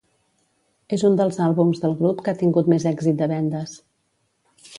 És un dels àlbums del grup que ha tingut més èxit de vendes.